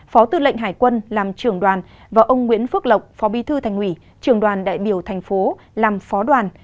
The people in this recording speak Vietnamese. phó tư lệnh hải quân làm trưởng đoàn và ông nguyễn phước lộc phó bi thư thành nghủy trưởng đoàn đại biểu tp hcm làm phó đoàn